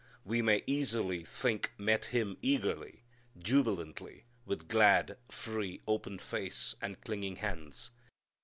We may easily think met Him eagerly, jubilantly, with glad, free, open face and clinging hands.